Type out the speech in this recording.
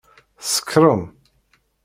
Tsekṛem!